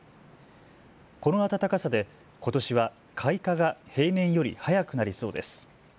この暖かさでことしは開花が平年より早くなりそうです。